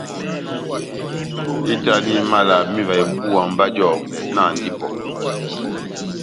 Ehitani mala má ivaha ibúwa mba jɔmbɛ, nahandi ipɔ !